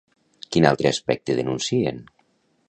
Quin altre aspecte denuncien?